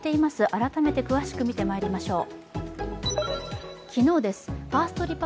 改めて詳しく見てまいりましょう。